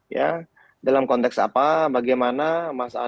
ya dalam konteks apa bagaimana mas anies